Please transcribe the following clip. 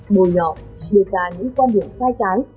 bồi nhỏ đưa ra những quan điểm sai trái